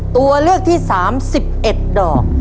ตัวเลือกที่๓๑๑ดอก